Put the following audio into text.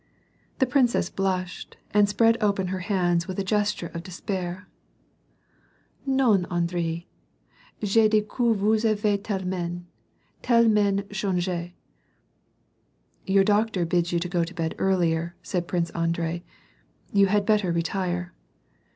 The princess blushed and spread open her hscnds with a gesture of despair. "JVItm, Andre f je dis que vous avez tellementj telleinent change.^^ "Your doctor bids you go to bed earlier," said Prince Andrei. " You had better retire."